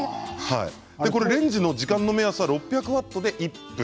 レンジの時間の目安は６００ワットで１分。